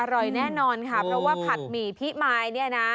อร่อยแน่นอนค่ะเพราะว่าผัดหมี่พิมายเนี่ยนะ